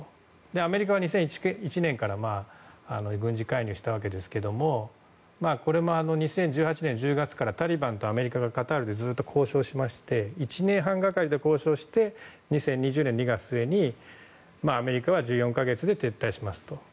アメリカは２００１年から軍事介入したわけですがこれも２０１８年１０月からタリバンとアメリカがカタールでずっと交渉しまして１年半がかりで交渉して２０２０年２月末に、アメリカは１４か月で撤退しますと。